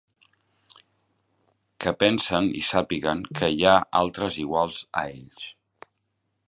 Que pensen i sàpiguen que hi ha altres iguals a ells.